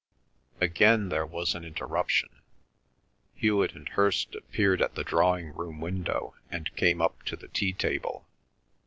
Again there was an interruption. Hewet and Hirst appeared at the drawing room window and came up to the tea table.